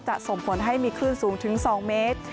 ส่งผลให้มีคลื่นสูงถึง๒เมตร